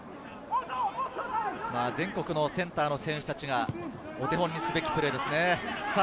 全国のセンターの選手たちがお手本にすべきプレーですね。